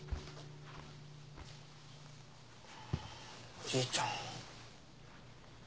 おじいちゃん。